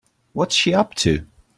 What's she up to?